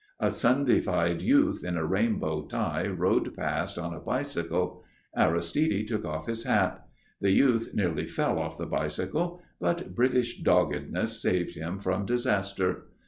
A Sundayfied youth in a rainbow tie rode past on a bicycle. Aristide took off his hat. The youth nearly fell off the bicycle, but British doggedness saved him from disaster.